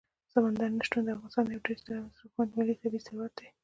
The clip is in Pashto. سمندر نه شتون د افغانستان یو ډېر ستر او ارزښتمن ملي طبعي ثروت دی.